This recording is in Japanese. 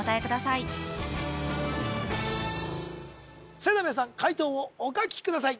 それでは皆さん解答をお書きください